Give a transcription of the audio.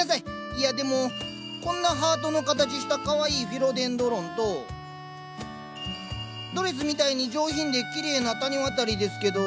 いやでもこんなハートの形したかわいいフィロデンドロンとドレスみたいに上品できれいなタニワタリですけど。